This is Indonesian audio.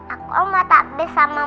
aku mau takbir sama mama sama papa